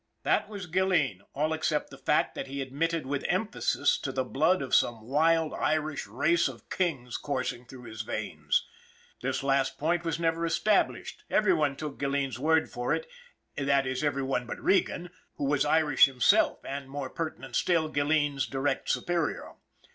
That was Gilleen, all except the fact that he admitted with emphasis to the blood of some wild Irish race of kings coursing through his veins. This last point was never established every one took Gilleen's word for it, that is every one but Regan, who was Irish himself and, more pertinent still, Gilleen's direct superior.